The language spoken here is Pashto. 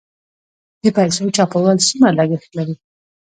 د پیسو چاپول څومره لګښت لري؟